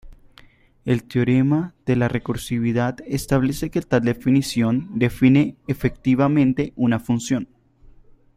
El teorema de la recursividad establece que tal definición define efectivamente una función.